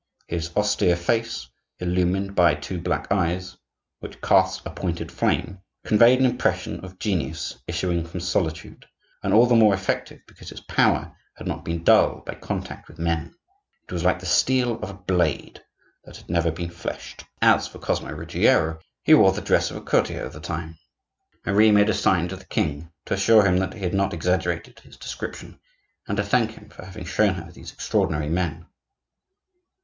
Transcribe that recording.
His austere face, illumined by two black eyes which cast a pointed flame, conveyed an impression of genius issuing from solitude, and all the more effective because its power had not been dulled by contact with men. It was like the steel of a blade that had never been fleshed. As for Cosmo Ruggiero, he wore the dress of a courtier of the time. Marie made a sign to the king to assure him that he had not exaggerated his description, and to thank him for having shown her these extraordinary men.